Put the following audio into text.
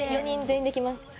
４人全員できます。